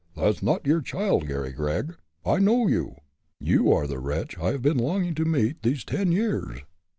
"That's not your child, Garry Gregg! I know you. You are the wretch I have been longing to meet these ten years!"